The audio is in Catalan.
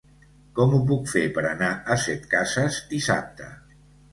Com ho puc fer per anar a Setcases dissabte?